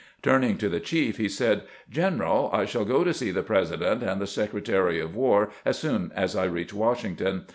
Turning to the chief, he said :" General, I shall go to see the President and the Secretary of War as soon as I reach Washington.